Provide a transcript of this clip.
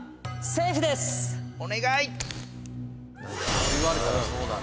そう言われたらそうだね。